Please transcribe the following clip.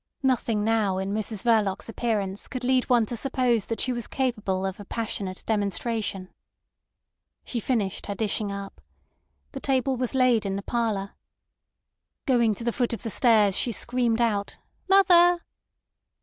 Nothing now in Mrs Verloc's appearance could lead one to suppose that she was capable of a passionate demonstration. She finished her dishing up. The table was laid in the parlour. Going to the foot of the stairs, she screamed out "Mother!"